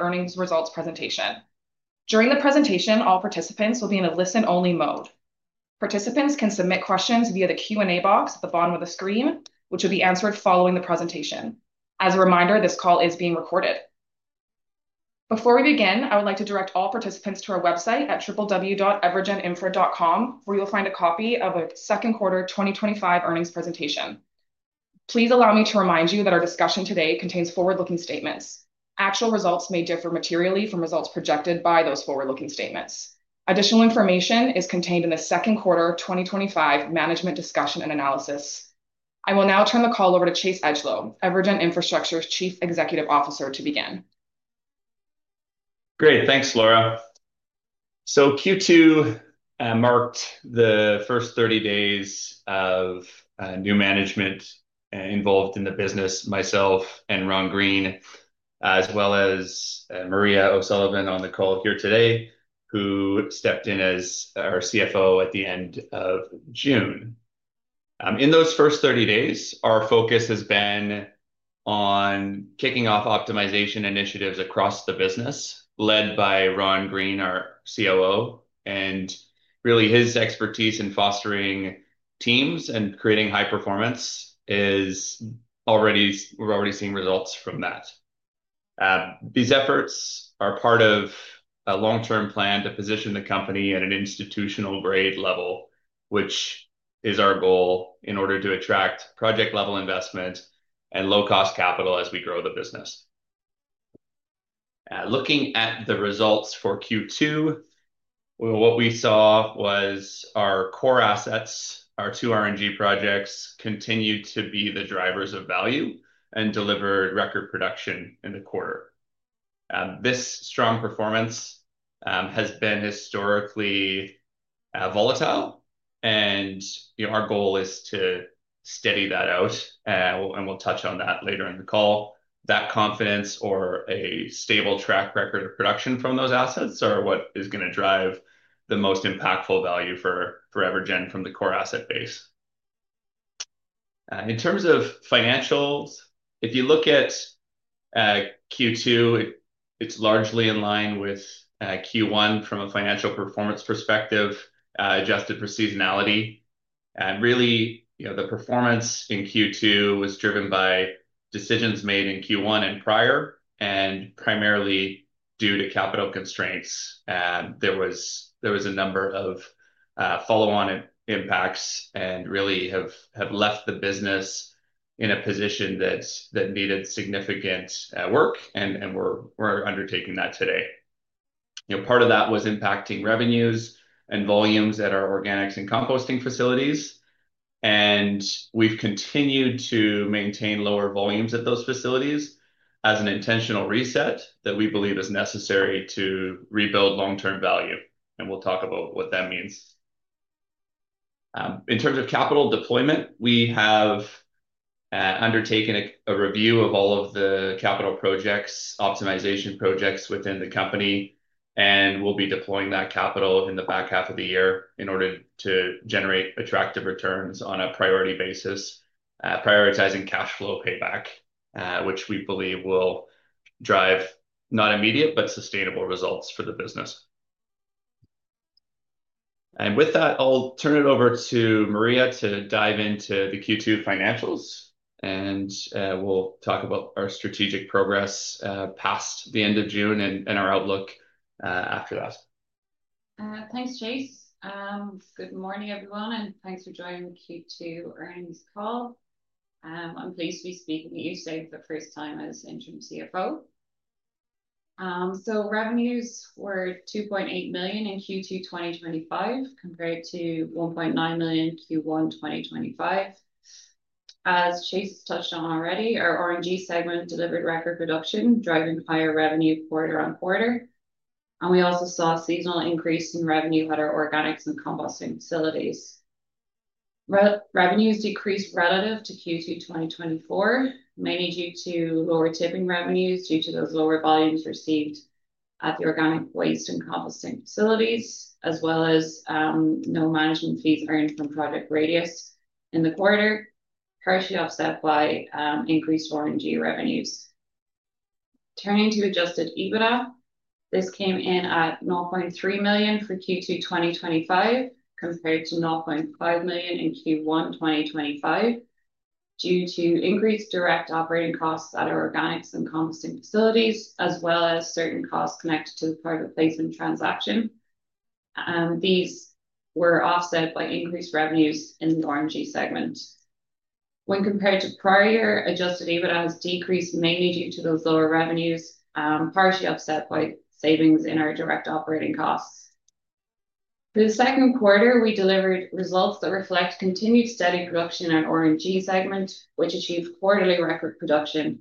Earnings Results Presentation. During the presentation, all participants will be in a listen-only mode. Participants can submit questions via the Q&A box at the bottom of the screen, which will be answered following the presentation. As a reminder, this call is being recorded. Before we begin, I would like to direct all participants to our website at www.evergeninfra.com, where you'll find a copy of the Second Quarter 2025 Earnings Presentation. Please allow me to remind you that our discussion today contains forward-looking statements. Actual results may differ materially from results projected by those forward-looking statements. Additional information is contained in the second quarter 2025 management discussion and analysis. I will now turn the call over to Chase Edgelow, EverGen Infrastructure's Chief Executive Officer, to begin. Great, thanks, Laura. Q2 marked the first 30 days of new management involved in the business, myself and Ron Green, as well as Maria O'Sullivan on the call here today, who stepped in as our CFO at the end of June. In those first 30 days, our focus has been on kicking off optimization initiatives across the business, led by Ron Green, our COO, and his expertise in fostering teams and creating high performance is already, we're already seeing results from that. These efforts are part of a long-term plan to position the company at an institutional grade level, which is our goal in order to attract project-level investment and low-cost capital as we grow the business. Looking at the results for Q2, what we saw was our core assets, our two RNG projects, continued to be the drivers of value and delivered record production in the quarter. This strong performance has been historically volatile, and our goal is to steady that out, and we'll touch on that later in the call. That confidence or a stable track record of production from those assets are what is going to drive the most impactful value for EverGen from the core asset base. In terms of financials, if you look at Q2, it's largely in line with Q1 from a financial performance perspective, adjusted for seasonality. The performance in Q2 was driven by decisions made in Q1 and prior, and primarily due to capital constraints. There was a number of follow-on impacts and really have left the business in a position that needed significant work, and we're undertaking that today. Part of that was impacting revenues and volumes at our organics and composting facilities, and we've continued to maintain lower volumes at those facilities as an intentional reset that we believe is necessary to rebuild long-term value, and we'll talk about what that means. In terms of capital deployment, we have undertaken a review of all of the capital projects, optimization projects within the company, and we'll be deploying that capital in the back half of the year in order to generate attractive returns on a priority basis, prioritizing cash flow payback, which we believe will drive not immediate but sustainable results for the business. With that, I'll turn it over to Maria to dive into the Q2 financials, and we'll talk about our strategic progress past the end of June and our outlook after that. Thanks, Chase. Good morning, everyone, and thanks for joining the Q2 earnings call. I'm pleased to be speaking to you today for the first time as Interim CFO. Revenues were $2.8 million in Q2 2025 compared to $1.9 million in Q1 2025. As Chase touched on already, our RNG segment delivered record production, driving higher revenue quarter-on-quarter, and we also saw a seasonal increase in revenue at our organics and composting facilities. Revenues decreased relative to Q2 2024, mainly due to lower tipping revenues due to those lower volumes received at the organic waste and composting facilities, as well as no management fees earned from Project Radius in the quarter, partially offset by increased RNG revenues. Turning to adjusted EBITDA, this came in at $0.3 million for Q2 2025 compared to $0.5 million in Q1 2025 due to increased direct operating costs at our organics and composting facilities, as well as certain costs connected to the private placement transaction. These were offset by increased revenues in the RNG segment. When compared to prior year, adjusted EBITDA was decreased mainly due to those lower revenues, partially offset by savings in our direct operating costs. For the second quarter, we delivered results that reflect continued steady production in our RNG segment, which achieved quarterly record production.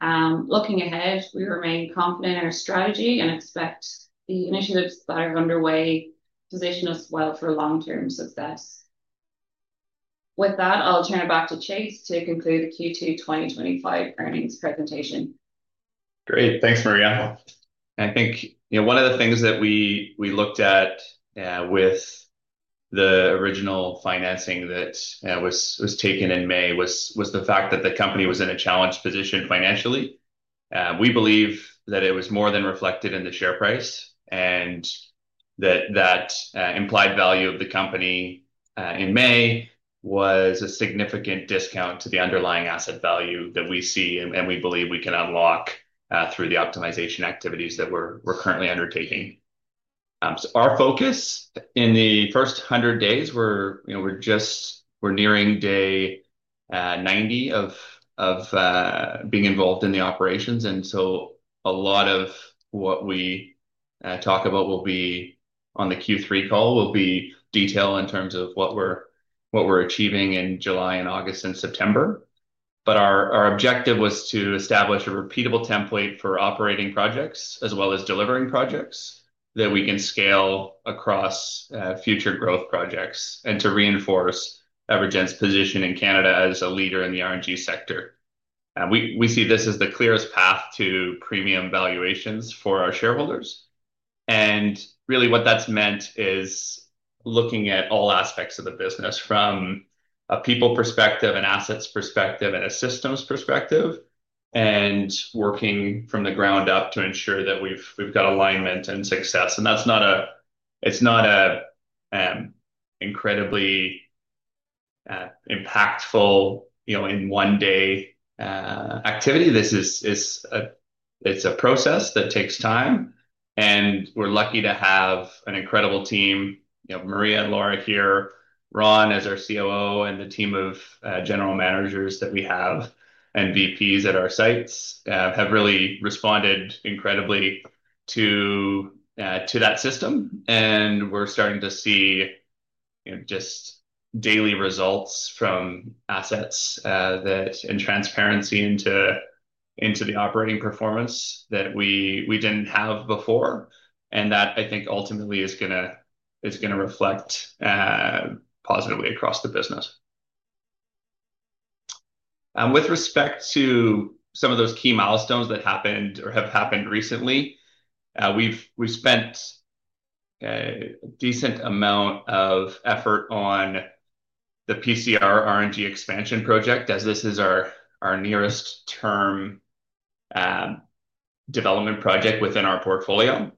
Looking ahead, we remain confident in our strategy and expect the initiatives that are underway to position us well for long-term success. With that, I'll turn it back to Chase to conclude the Q2 2025 earnings presentation. Great, thanks, Maria. I think one of the things that we looked at with the original financing that was taken in May was the fact that the company was in a challenged position financially. We believe that it was more than reflected in the share price, and that that implied value of the company in May was a significant discount to the underlying asset value that we see and we believe we can unlock through the optimization activities that we're currently undertaking. Our focus in the first 100 days, we're just nearing day 90 of being involved in the operations, and a lot of what we talk about will be on the Q3 call will be detail in terms of what we're achieving in July and August and September. Our objective was to establish a repeatable template for operating projects as well as delivering projects that we can scale across future growth projects and to reinforce EverGen's position in Canada as a leader in the RNG sector. We see this as the clearest path to premium valuations for our shareholders, and really what that's meant is looking at all aspects of the business from a people perspective, an assets perspective, and a systems perspective, and working from the ground up to ensure that we've got alignment and success. It's not an incredibly impactful, you know, in one day activity. It's a process that takes time, and we're lucky to have an incredible team. Maria and Laura here, Ron as our COO, and the team of general managers that we have and VPs at our sites have really responded incredibly to that system, and we're starting to see just daily results from assets and transparency into the operating performance that we didn't have before, and that I think ultimately is going to reflect positively across the business. With respect to some of those key milestones that happened or have happened recently, we've spent a decent amount of effort on the PCR RNG expansion project, as this is our nearest term development project within our portfolio.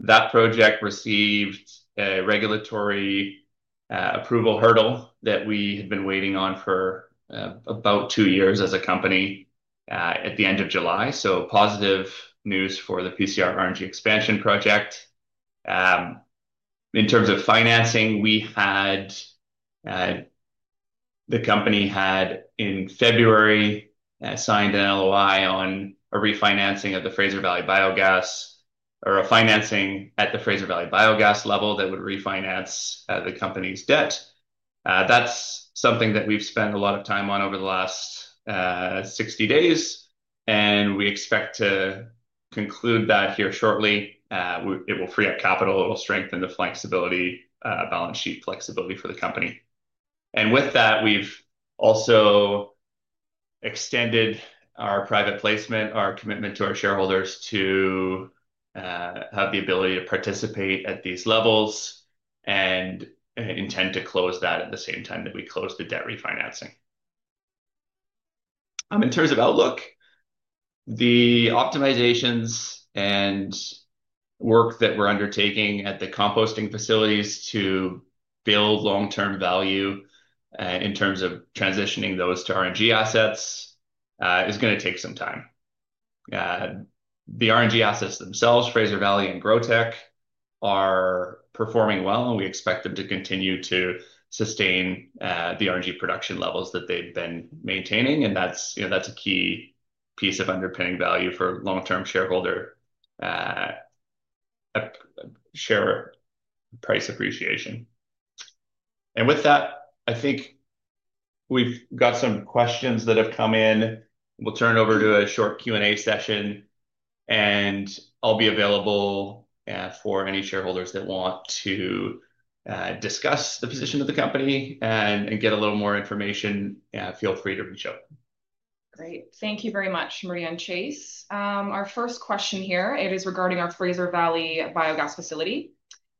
That project received a regulatory approval hurdle that we had been waiting on for about two years as a company at the end of July, positive news for the PCR RNG expansion project. In terms of financing, we had the company in February signed an LOI on a refinancing of the Fraser Valley Biogas, or a financing at the Fraser Valley Biogas level that would refinance the company's debt. That's something that we've spent a lot of time on over the last 60 days, and we expect to conclude that here shortly. It will free up capital. It will strengthen the balance sheet flexibility for the company. With that, we've also extended our private placement, our commitment to our shareholders to have the ability to participate at these levels and intend to close that at the same time that we close the debt refinancing. In terms of outlook, the optimizations and work that we're undertaking at the composting facilities to build long-term value in terms of transitioning those to RNG assets is going to take some time. The RNG assets themselves, Fraser Valley and GrowTEC, are performing well, and we expect them to continue to sustain the RNG production levels that they've been maintaining, and that's a key piece of underpinning value for long-term shareholder share price appreciation. With that, I think we've got some questions that have come in. We'll turn it over to a short Q&A session, and I'll be available for any shareholders that want to discuss the position of the company and get a little more information. Feel free to reach out. Great. Thank you very much, Maria and Chase. Our first question here is regarding our Fraser Valley Biogas facility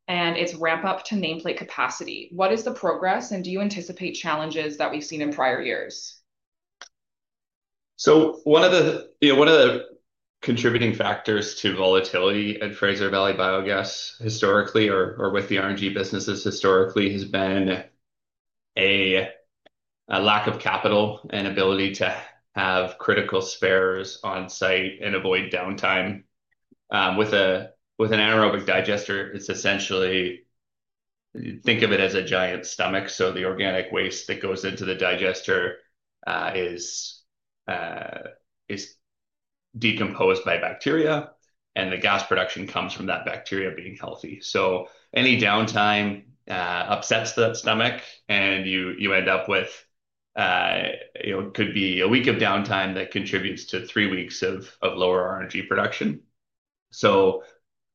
and its ramp-up to nameplate capacity. What is the progress, and do you anticipate challenges that we've seen in prior years? One of the contributing factors to volatility in Fraser Valley Biogas historically, or with the RNG businesses historically, has been a lack of capital and ability to have critical spares on site and avoid downtime. With an anaerobic digester, it's essentially, think of it as a giant stomach. The organic waste that goes into the digester is decomposed by bacteria, and the gas production comes from that bacteria being healthy. Any downtime upsets that stomach, and you end up with, it could be a week of downtime that contributes to three weeks of lower RNG production.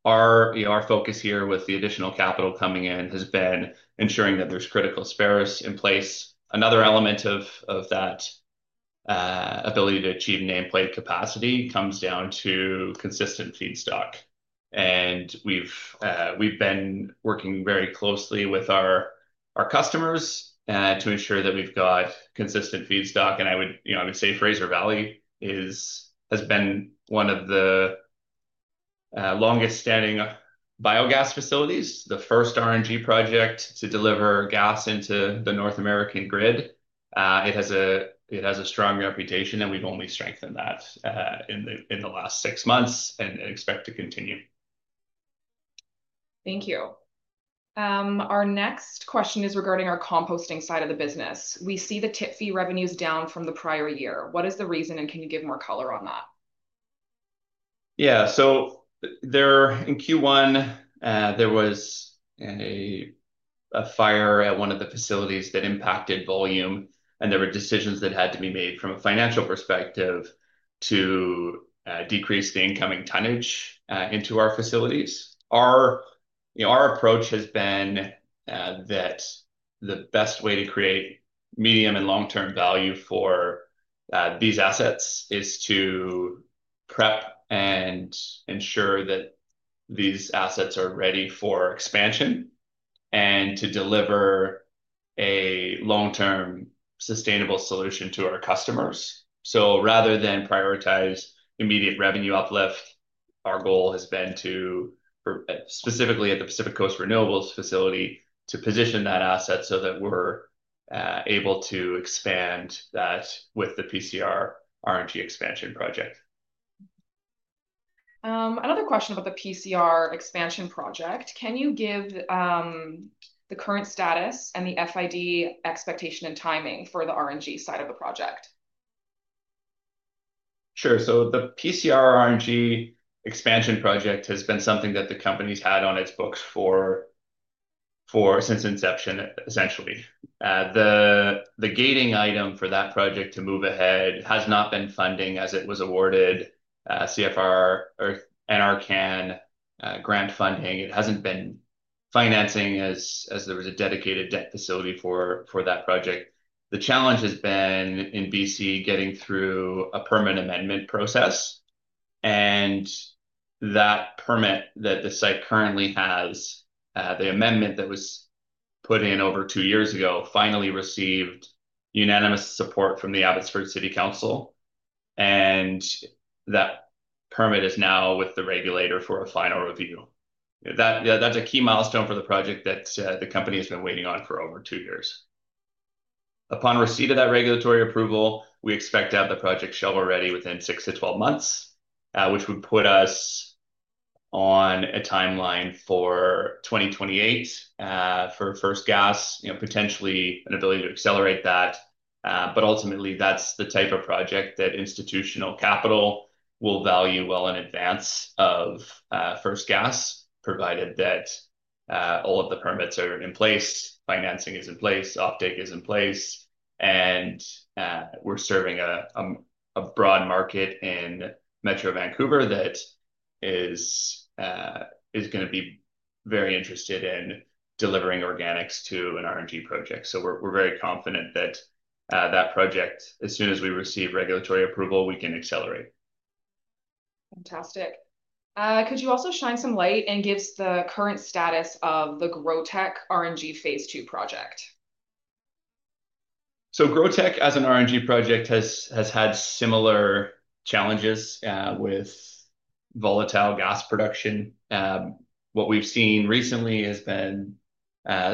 Our focus here with the additional capital coming in has been ensuring that there's critical spares in place. Another element of that ability to achieve nameplate capacity comes down to consistent feedstock, and we've been working very closely with our customers to ensure that we've got consistent feedstock. I would say Fraser Valley has been one of the longest-standing biogas facilities, the first RNG project to deliver gas into the North American grid. It has a strong reputation, and we've only strengthened that in the last six months and expect to continue. Thank you. Our next question is regarding our composting side of the business. We see the tip fee revenues down from the prior year. What is the reason, and can you give more color on that? Yeah, in Q1, there was a fire at one of the facilities that impacted volume, and there were decisions that had to be made from a financial perspective to decrease the incoming tonnage into our facilities. Our approach has been that the best way to create medium and long-term value for these assets is to prep and ensure that these assets are ready for expansion and to deliver a long-term sustainable solution to our customers. Rather than prioritize immediate revenue uplift, our goal has been to, specifically at the Pacific Coast Renewables facility, position that asset so that we're able to expand that with the PCR R&D expansion project. Another question about the PCR expansion project. Can you give the current status and the final investment decision expectation and timing for the R&D side of the project? Sure. The PCR R&D expansion project has been something that the company's had on its books since inception, essentially. The gating item for that project to move ahead has not been funding as it was awarded CFR or NRCan grant funding. It hasn't been financing as there was a dedicated debt facility for that project. The challenge has been, in B.C., getting through a permit amendment process, and that permit that the site currently has, the amendment that was put in over two years ago, finally received unanimous support from the Abbotsford City Council, and that permit is now with the regulator for a final review. That's a key milestone for the project that the company has been waiting on for over two years. Upon receipt of that regulatory approval, we expect to have the project shovel ready within 6-12 months, which would put us on a timeline for 2028 for first gas, potentially an ability to accelerate that. Ultimately, that's the type of project that institutional capital will value well in advance of first gas, provided that all of the permits are in place, financing is in place, optic is in place, and we're serving a broad market in Metro Vancouver that is going to be very interested in delivering organics to an R&D project. We're very confident that that project, as soon as we receive regulatory approval, we can accelerate. Fantastic. Could you also shine some light and give us the current status of the GrowTEC R&D phase II project? GrowTEC, as an R&D project, has had similar challenges with volatile gas production. What we've seen recently has been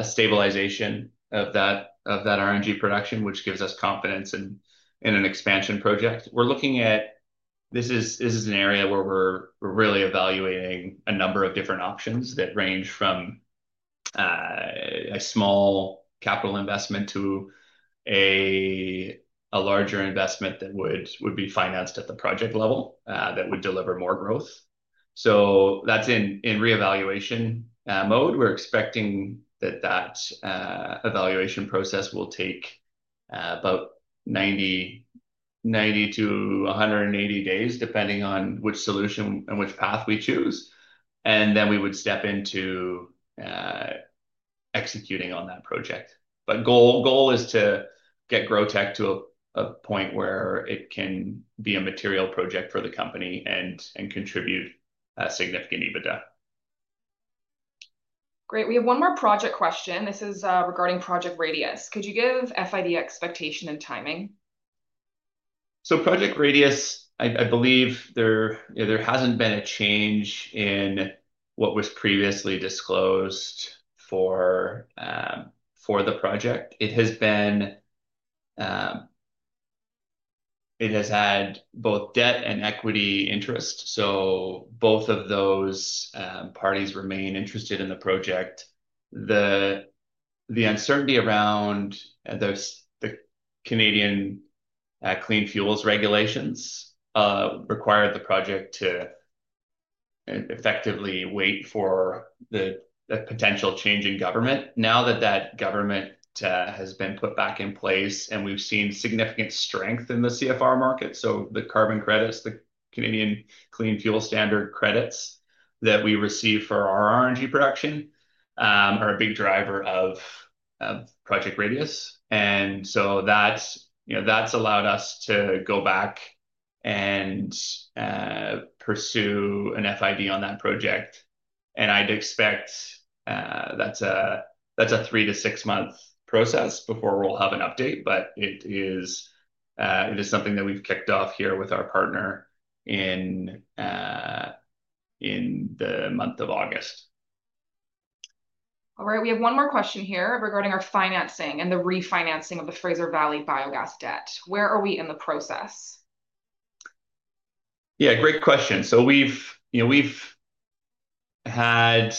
stabilization of that R&D production, which gives us confidence in an expansion project. We're looking at this as an area where we're really evaluating a number of different options that range from a small capital investment to a larger investment that would be financed at the project level and would deliver more growth. That is in reevaluation mode. We're expecting that the evaluation process will take about 90-180 days, depending on which solution and which path we choose, and then we would step into executing on that project. The goal is to get GrowTEC to a point where it can be a material project for the company and contribute significant EBITDA. Great. We have one more project question. This is regarding Project Radius. Could you give FID expectation and timing? Project Radius, I believe there hasn't been a change in what was previously disclosed for the project. It has had both debt and equity interest, so both of those parties remain interested in the project. The uncertainty around the Canadian clean fuels regulations required the project to effectively wait for the potential change in government. Now that that government has been put back in place, we've seen significant strength in the CFR market. The carbon credits, the Canadian clean fuel standard credits that we receive for our RNG production, are a big driver of Project Radius. That's allowed us to go back and pursue an FID on that project. I'd expect that's a 3-6 month process before we'll have an update, but it is something that we've kicked off here with our partner in the month of August. All right, we have one more question here regarding our financing and the refinancing of the Fraser Valley Biogas debt. Where are we in the process? Yeah, great question. We've had,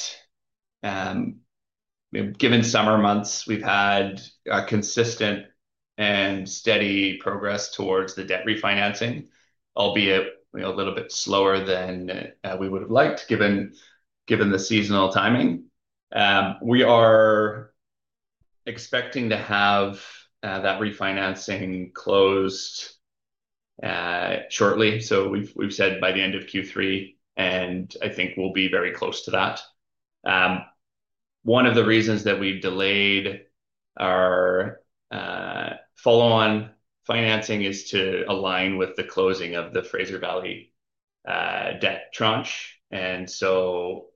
given summer months, consistent and steady progress towards the debt refinancing, albeit a little bit slower than we would have liked given the seasonal timing. We are expecting to have that refinancing closed shortly. We've said by the end of Q3, and I think we'll be very close to that. One of the reasons that we've delayed our follow-on financing is to align with the closing of the Fraser Valley debt tranche, and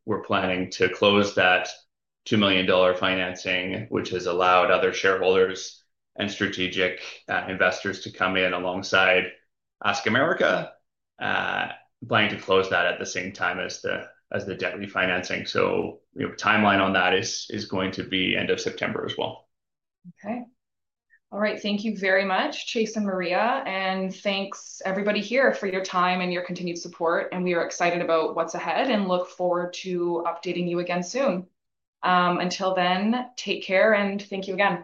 we're planning to close that $2 million financing, which has allowed other shareholders and strategic investors to come in alongside ASK America, planning to close that at the same time as the debt refinancing. Timeline on that is going to be end of September as well. All right, thank you very much, Chase and Maria, and thanks everybody here for your time and your continued support. We are excited about what's ahead and look forward to updating you again soon. Until then, take care and thank you again.